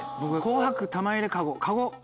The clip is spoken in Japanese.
紅白玉入れカゴカゴ。